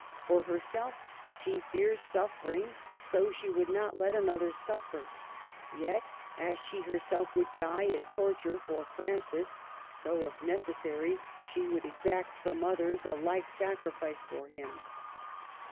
For her self she fears suffering, so she would not let another suffer; yet, as she herself would die in torture for Francis, so, if necessary, she would exact from others a like sacrifice for him.